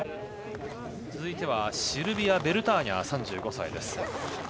続いてはシルビア・ベルターニャ３５歳です。